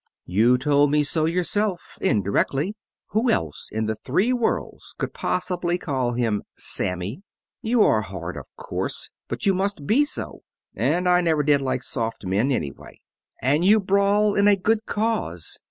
"You told me so yourself, indirectly. Who else in the three worlds could possibly call him 'Sammy?' You are hard, of course, but you must be so and I never did like soft men, anyway. And you brawl in a good cause.